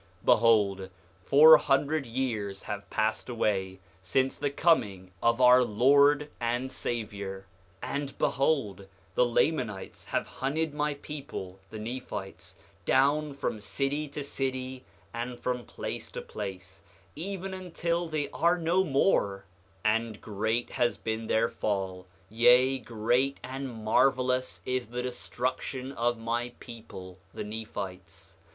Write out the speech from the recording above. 8:6 Behold, four hundred years have passed away since the coming of our Lord and Savior. 8:7 And behold, the Lamanites have hunted my people, the Nephites, down from city to city and from place to place, even until they are no more; and great has been their fall; yea, great and marvelous is the destruction of my people, the Nephites.